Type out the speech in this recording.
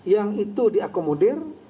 yang itu diakomodir